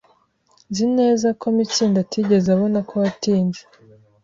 Nzi neza ko Mitsindo atigeze abona ko watinze.